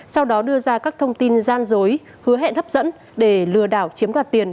sau đó đưa ra các thông tin gian dối hứa hẹn hấp dẫn để lừa đảo chiếm đoạt tiền